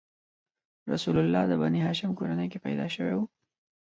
رسول الله د بنیهاشم کورنۍ کې پیدا شوی و.